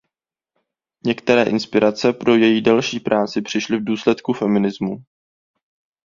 Některé inspirace pro její další práce přišly v důsledku feminismu.